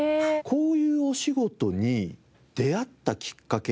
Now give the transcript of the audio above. こういうお仕事に出会ったきっかけ